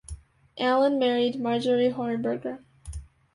Allen married Marjorie Hornberger.